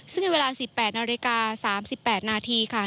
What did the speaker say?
ซึ่งในเวลา๑๘นาฬิกา๓๘นาทีค่ะ